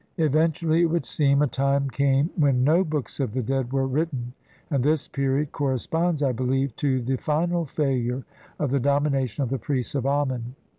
Eventually, it would seem, a time came when no Books of the Dead were writ ten, and this period corresponds, I believe, to the final failure of the domination of the priests of Amen.